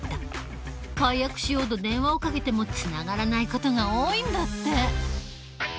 解約しようと電話をかけてもつながらない事が多いんだって。